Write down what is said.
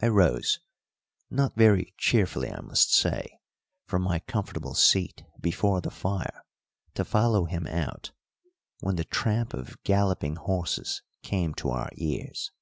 I rose, not very cheerfully, I must say, from my comfortable seat before the fire, to follow him out, when the tramp of galloping horses came to our ears.